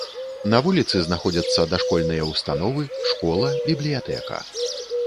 На вуліцы знаходзяцца дашкольныя ўстановы, школа, бібліятэка.